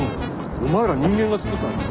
お前ら人間が作ったんだろ。